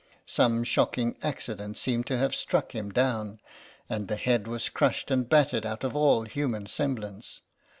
Some shocking accident seemed to have struck him down, and the head was crushed and battered out of all human semblance.